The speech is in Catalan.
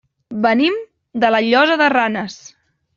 Venim de la Llosa de Ranes.